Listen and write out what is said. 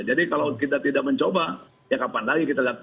jadi kalau kita tidak mencoba ya kapan lagi kita lihat